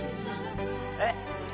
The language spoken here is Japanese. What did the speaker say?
えっ？